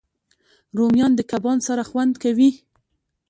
رومیان د کباب سره خوند کوي